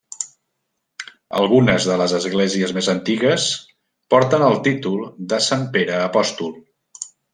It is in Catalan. Algunes de les esglésies més antigues porten el títol de Sant Pere Apòstol.